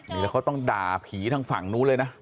นี่แล้วเขาต้องด่าผีทางฝั่งนู้นเลยนะ